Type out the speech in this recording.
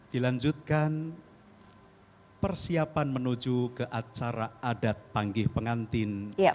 dilanjutkan persiapan menuju ke acara adat panggih pengantin